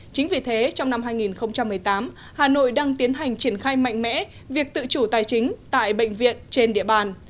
chính vì thế trong năm hai nghìn một mươi tám hà nội đang tiến hành triển khai mạnh mẽ việc tự chủ tài chính tại bệnh viện trên địa bàn